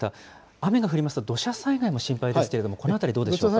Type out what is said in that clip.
雨が降りますと、土砂災害も心配ですけれども、このあたり、どうでしょうか。